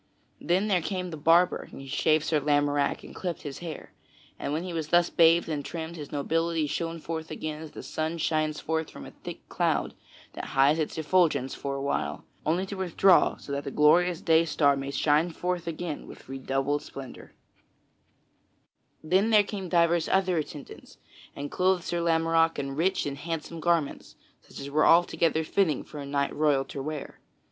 Then there came the barber and he shaved Sir Lamorack and clipped his hair, and when he was thus bathed and trimmed, his nobility shone forth again as the sun shines forth from a thick cloud that hides its effulgence for a while, only to withdraw so that the glorious day star may shine forth again with redoubled splendor. [Sidenote: Sir Lamorack is armed in armor] Then there came divers other attendants and clothed Sir Lamorack in rich and handsome garments such as were altogether fitting for a knight royal to wear.